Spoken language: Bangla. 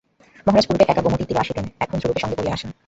মহারাজ পূর্বে একা গোমতী তীরে আসিতেন, এখন ধ্রুবকে সঙ্গে করিয়া আনেন।